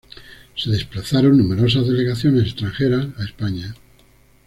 Se desplazaron numerosas delegaciones extranjeras a España.